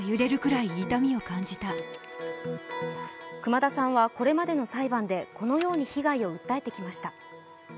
熊田さんは、これまでの裁判でこのように被害を訴えてきました。